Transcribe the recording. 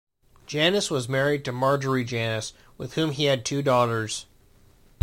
Janis was married to Marjorie Janis, with whom he had two daughters.